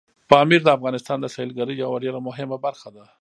پامیر د افغانستان د سیلګرۍ یوه ډېره مهمه برخه ده.